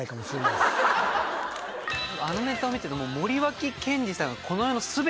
あのネタを見てて。